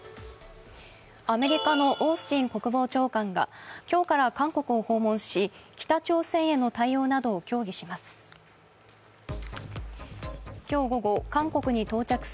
アメリカのオースティン国防長官が今日から韓国を訪問し北朝鮮への対応などを協議します。